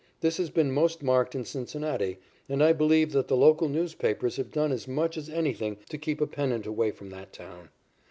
This has been most marked in Cincinnati, and I believe that the local newspapers have done as much as anything to keep a pennant away from that town.